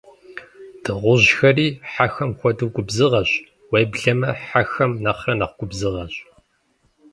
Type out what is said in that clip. Дыгъужьхэри, хьэхэм хуэдэу, губзыгъэщ, уеблэмэ хьэхэм нэхърэ нэхъ губзыгъэщ.